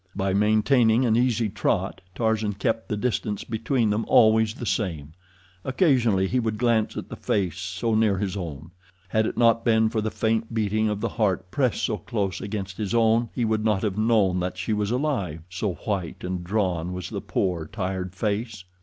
By maintaining an easy trot, Tarzan kept the distance between them always the same. Occasionally he would glance at the face so near his own. Had it not been for the faint beating of the heart pressed so close against his own, he would not have known that she was alive, so white and drawn was the poor, tired face.